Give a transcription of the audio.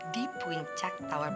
di puncak tower bts